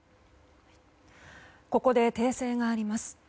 ここで訂正があります。